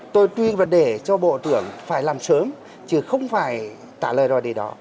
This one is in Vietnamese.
tôi truyền vấn đề cho bộ trưởng phải làm sớm chứ không phải trả lời rồi để đó